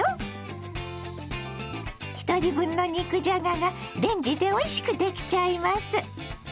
ひとり分の肉じゃががレンジでおいしくできちゃいます。